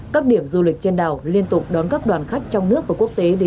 các điểm du lịch trên đảo liên tục đón các đoàn khách trong nước